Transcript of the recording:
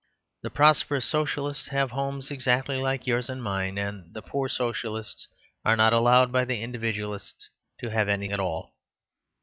The prosperous Socialists have homes exactly like yours and mine; and the poor Socialists are not allowed by the Individualists to have any at all.